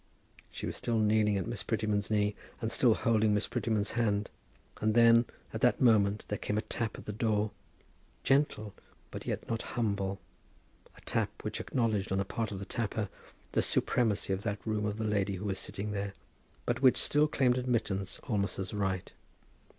She was still kneeling at Miss Prettyman's knee, and still holding Miss Prettyman's hand. And then, at that moment, there came a tap at the door, gentle but yet not humble, a tap which acknowledged, on the part of the tapper, the supremacy in that room of the lady who was sitting there, but which still claimed admittance almost as a right.